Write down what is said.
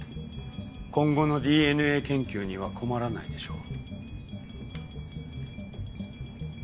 今後のＤＮＡ研究には困らないでしょう。